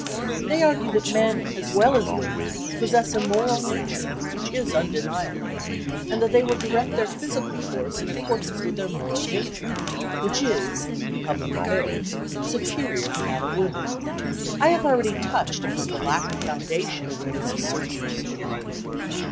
They argue that men as well as women possess a moral nature (which is undeniable), and that they will direct their physical force in accordance with their moral nature, which is, in public affairs, superior to that of women. I have already touched upon the lack of foundation for this assertion of superiority.